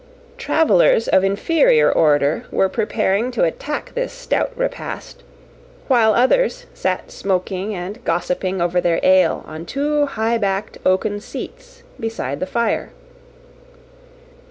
Travellers of inferior order were preparing to attack this stout repast, while others sat smoking and gossiping over their ale on two high backed oaken seats beside the fire.